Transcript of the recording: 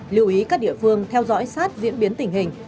lưu ý các địa phương theo dõi sát diễn biến tình hình